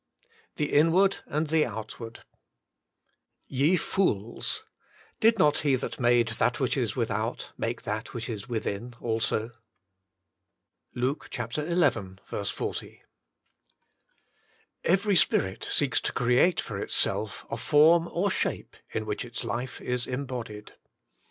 XXV THE INWARD AND THE OUTWAKD " Ye fools, did not He that made that which is with out make that which is within also." — Luke xi. 40. Every spirit seeks to create for itself a form or shape in which its life is embodied.